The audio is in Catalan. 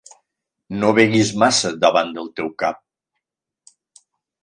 No beguis massa davant del teu cap.